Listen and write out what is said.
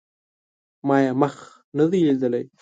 ما یې مخ نه دی لیدلی